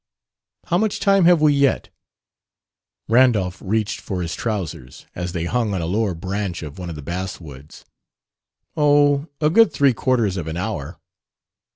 "How much time have we yet?" Randolph reached for his trousers, as they hung on a lower branch of one of the basswoods. "Oh, a good three quarters of an hour."